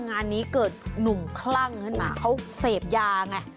งานนี้เกิดหนุ่มคลั่งขึ้นมาเขาเสพยาไง